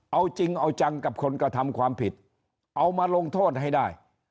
เอาจริงเอาจังกับคนกระทำความผิดเอามาลงโทษให้ได้